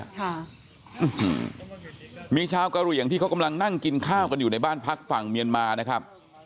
ค่ะอืมมีชาวกะเหลี่ยงที่เขากำลังนั่งกินข้าวกันอยู่ในบ้านพักฝั่งเมียนมานะครับ